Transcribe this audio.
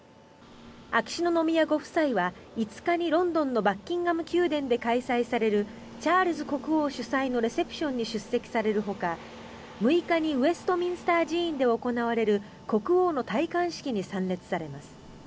秋篠宮ご夫妻は５日にロンドンのバッキンガム宮殿で開催されるチャールズ国王主催のレセプションに出席されるほか６日にウェストミンスター寺院で行われる国王の戴冠式に参列されます。